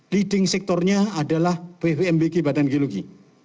leading sektornya adalah bpmbg badan geologi